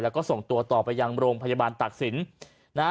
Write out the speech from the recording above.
แล้วก็ส่งตัวต่อไปยังโรงพยาบาลตักศิลป์นะฮะ